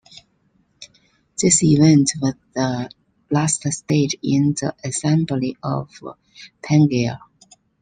This event was the last stage in the assembly of Pangaea.